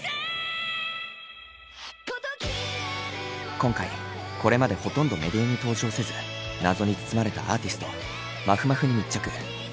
今回これまでほとんどメディアに登場せず謎に包まれたアーティストまふまふに密着。